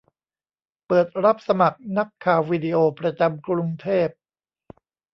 เปิดรับสมัครนักข่าววิดีโอ ประจำกรุงเทพ